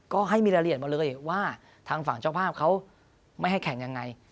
ก็ให้มีรายละเอียดมาเลยว่าทางฝั่งเจ้าภาพเขาไม่ให้แข่งยังไง